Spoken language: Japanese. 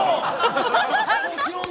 もちろん！